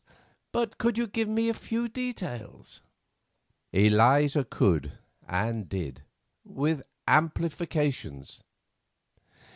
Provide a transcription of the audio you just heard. But could you give me a few details?" Eliza could and did—with amplifications.